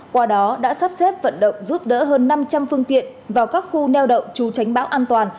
qua đó đã sắp xếp vận động giúp đỡ hơn năm trăm linh phương tiện vào các khu neo đậu chú tránh bão an toàn